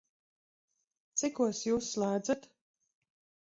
Cikos Jūs slēdzat?